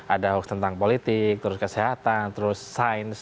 ada hoax tentang politik terus kesehatan terus sains